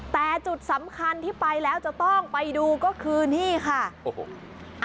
แต่จุดสำคัญที่ไปแล้วจะต้องไปดูก็คือนี่ค่ะโอ้โห